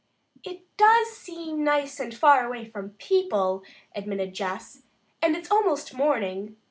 "It does seem nice and far away from people," admitted Jess, "and it's almost morning."